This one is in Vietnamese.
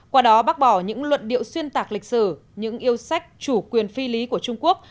qua đó bác bỏ những luận điệu xuyên tạc lịch sử những yêu sách chủ quyền phi lý của trung quốc